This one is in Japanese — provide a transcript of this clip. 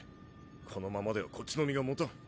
このままではこっちの身がもたん。